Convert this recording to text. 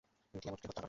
তিয়ামুতকে হত্যা করা।